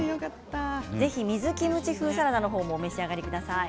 ぜひ水キムチ風サラダもお召し上がりください。